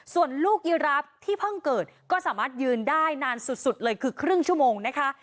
ส่วนลูกยีรับที่เพิ่งเกิดก็สามารถยืนได้นานสุดเลยคือครึ่งชั่วโมงนะคะ